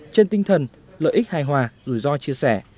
trên tinh thần lợi ích hài hòa rủi ro chia sẻ